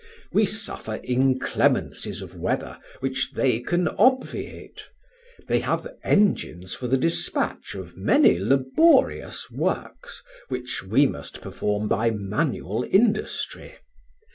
We suffer inclemencies of weather which they can obviate. They have engines for the despatch of many laborious works, which we must perform by manual industry.